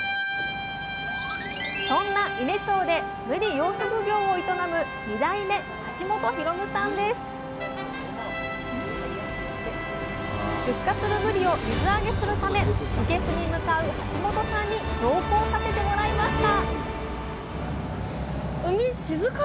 そんな伊根町でぶり養殖業を営む２代目出荷するぶりを水揚げするためいけすに向かう橋本さんに同行させてもらいました